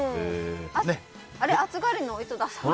暑がりの井戸田さんは？